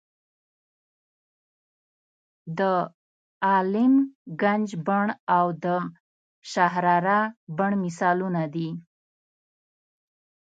د عالم ګنج بڼ او د شهرارا بڼ مثالونه دي.